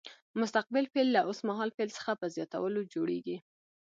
مستقبل فعل له اوس مهال فعل څخه په زیاتولو جوړیږي.